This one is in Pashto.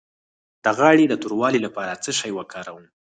د غاړې د توروالي لپاره څه شی وکاروم؟